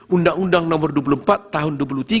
undang undang nomor dua puluh empat tahun dua ribu tiga